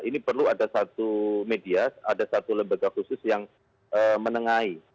ini perlu ada satu media ada satu lembaga khusus yang menengahi